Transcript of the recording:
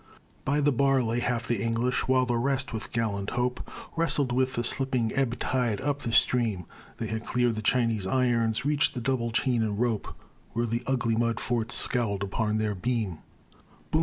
By the bar lay half the English, while the rest, with gallant Hope, Wrestled with the slipping ebb tide up the stream; They had cleared the Chinese irons, reached the double chain and rope, Where the ugly mud fort scowled upon their beam _Boom!